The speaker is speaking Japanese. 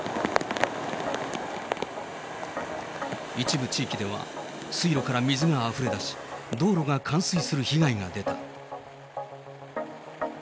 一部地域では水路から水があふれ出し、道路が冠水する被害が出た。